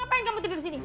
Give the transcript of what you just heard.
ngapain kamu tidur disini